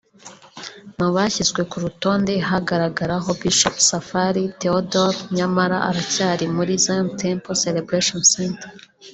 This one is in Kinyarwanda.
Mu bashyizwe ku rutonde haragaragaraho Bishop Safari Théodore nyamara aracyari muri Zion Temple Celebration Center